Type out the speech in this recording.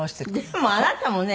でもあなたもね